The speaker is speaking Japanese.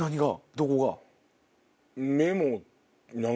どこが？